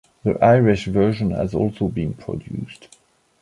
An Irish version has also been produced.